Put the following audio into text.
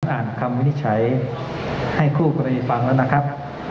อ่านคำวินิจฉัยให้คู่กรณีฟังแล้วนะครับ